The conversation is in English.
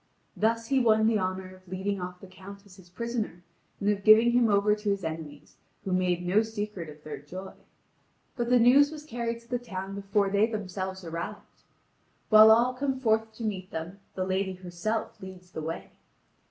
Thus he won the honour of leading off the Count as his prisoner, and of giving him over to his enemies, who make no secret of their joy. But the news was carried to the town before they themselves arrived. While all come forth to meet them, the lady herself leads the way.